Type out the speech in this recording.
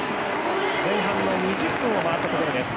前半の２０分を回ったところです。